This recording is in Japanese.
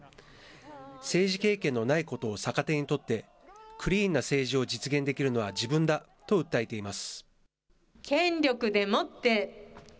政治経験のないことを逆手に取って、クリーンな政治を実現できるのは自分だと訴えています。